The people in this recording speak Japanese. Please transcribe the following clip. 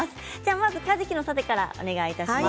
まずかじきのサテからお願いします。